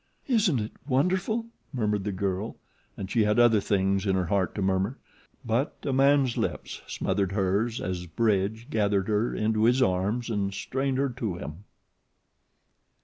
"Isn't it wonderful?" murmured the girl, and she had other things in her heart to murmur; but a man's lips smothered hers as Bridge gathered her into his arms and strained her to him.